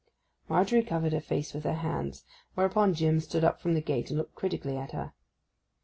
Margery covered her face with her hands; whereupon Jim stood up from the gate and looked critically at her.